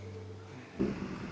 nggak ada apa apa